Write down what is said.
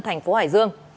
thành phố hải dương